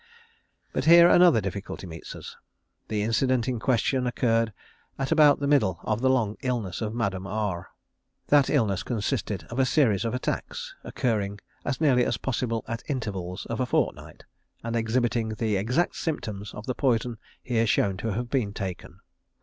But here another difficulty meets us. The incident in question occurred at about the middle of the long illness of Madame R. That illness consisted of a series of attacks, occurring as nearly as possible at intervals of a fortnight, and exhibiting the exact symptoms of the poison here shown to have been taken.